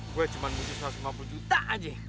gue cuma butuh satu ratus lima puluh juta aja